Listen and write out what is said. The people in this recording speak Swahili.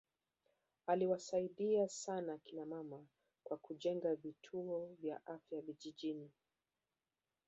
aliwasaidia sana kina mama kwa kujengea vituo vya afya vijijini